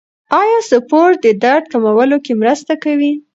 آیا سپورت د درد کمولو کې مرسته کوي؟